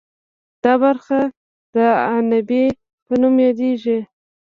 دا برخه د عنبیې په نوم یادیږي.